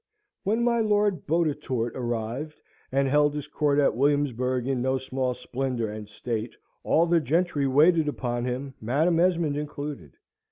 When my Lord Bottetourt arrived, and held his court at Williamsburg in no small splendour and state, all the gentry waited upon him, Madam Esmond included.